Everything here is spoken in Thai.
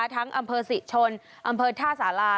ทั้งอำเภอสิ้ชนอำเภอทราษาลา